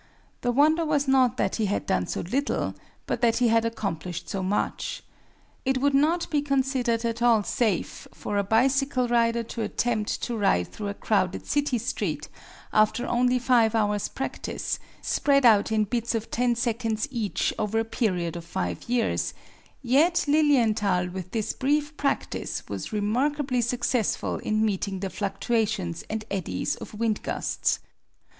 The wonder was not that he had done so little, but that he had accomplished so much. It would not be considered at all safe for a bicycle rider to attempt to ride through a crowded city street after only five hours' practice, spread out in bits of ten seconds each over a period of five years; yet Lilienthal with this brief practice was remarkably successful in meeting the fluctuations and eddies of wind gusts.